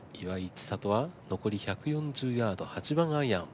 千怜は残り１４０ヤード８番アイアン。